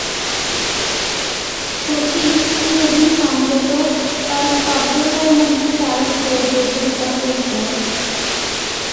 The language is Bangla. শচীশ চিরদিন সংযত, তার স্তব্ধতার মধ্যে তার হৃদয়ের গভীরতার পরিচয়।